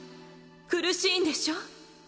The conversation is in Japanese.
苦しいんでしょ？